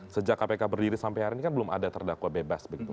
sejak kpk berdiri sampai hari ini kan belum ada terdakwa bebas begitu